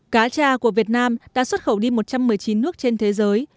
cá trà của việt nam đã xuất khẩu đi một trăm một mươi chín nước trên thế giới